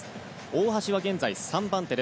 大橋は現在３番手。